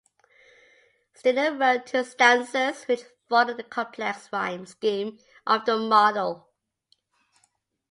Steiner wrote two stanzas which follow the complex rhyme scheme of the model.